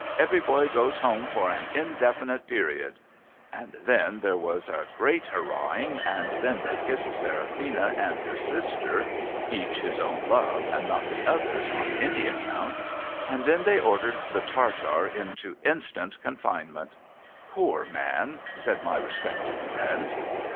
Every boy goes home for an indefinite period !" And then there was great hurrahing, and then they kissed Seraphina and her sister, — each his own love, and not the other's on any account, — and then they ordered the Tartar into instant confinement.' ' Poor man !' said my respected friend.